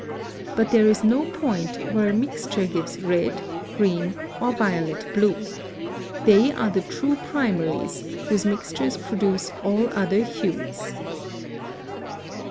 But there is no point where a mixture gives red, green, or violet blue. They are the true primaries, whose mixtures produce all other hues.